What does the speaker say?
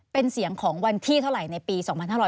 เป็นเสียงของวันที่เท่าไหร่ในปี๒๕๖๐